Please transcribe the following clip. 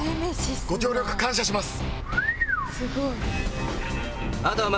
ご協力感謝します。